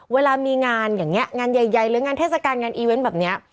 เวลามีงานอย่างนี้งานใหญ่หรืองานเทศกาลงานอีเวนต์แบบนี้